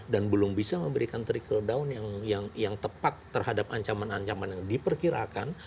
dan belum bisa memberikan trickle down yang tepat terhadap ancaman ancaman yang diperkirakan